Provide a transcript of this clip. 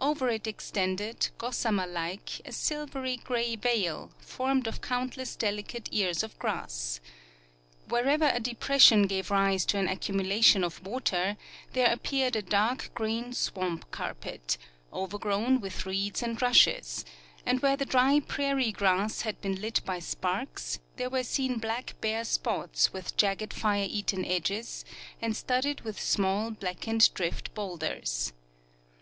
Over it extended, gossamer like, a silvery gray veil, formed of countless delicate ears of grass. Wherever a depression gave rise to an accumulation of water there appeared a dark green swamp carpet, overgrown with reeds and rushes, and where the dry prairie grass had been lit by sparks there were seen black bare spots with jagged fire eaten edges and studded with femall, blackened drift bowlders.